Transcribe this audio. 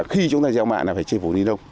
khi chúng ta gieo mạ là phải chê phủ đi đâu